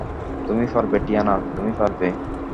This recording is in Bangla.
তুমি পারবে টিয়ানা, তুমিই পারবে।